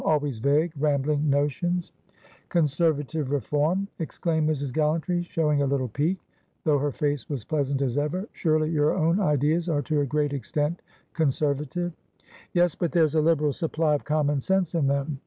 Always vague, rambling notions" "Conservative reform!" exclaimed Mrs. Gallantry, showing a little pique, though her face was pleasant as ever. "Surely your own ideas are to a great extent conservative." "Yes, but there's a liberal supply of common sense in them!"